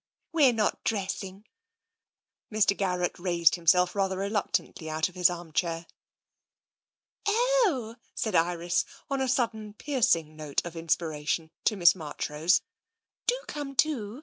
We're not dressing." Mr. Garrett raised himself rather reluctantly out of his armchair. " Oh," said Iris, on a sudden piercing note of in spiration, to Miss Marchrose, " do come too.